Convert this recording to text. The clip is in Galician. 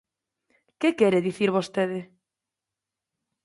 Que quere dicir vostede?